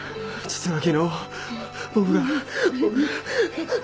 実は昨日僕が僕が。